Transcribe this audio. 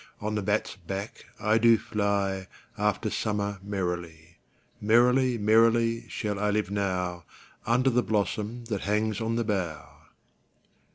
On the bat's back I do fly After summer merrily: 5 Merrily, merrily, shall I live now, Under the blossom that hangs on the bough.